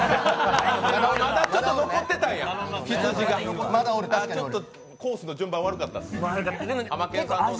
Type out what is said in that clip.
まだちょっと残ってたんや、羊が！コースの順番が悪かったです。